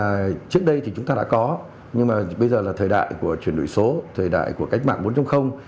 thứ nhất là trước đây thì chúng ta đã có nhưng mà bây giờ là thời đại của chuyển đổi số thời đại của cách mạng bốn trong